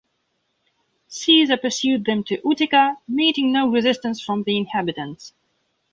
Caesar pursued them to Utica, meeting no resistance from the inhabitants.